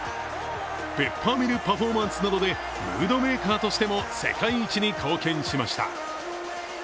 ペッパーミルパフォーマンスなどでムードメーカーとしても世界一に貢献しました。